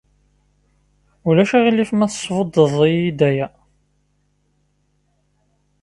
Ulac aɣilif ma tesbudad-iyi-d aya?